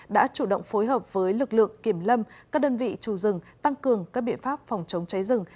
đã chủ động phối hợp với lực lượng kiểm lâm các đơn vị trù rừng tăng cường các biện pháp phòng chống cháy rừng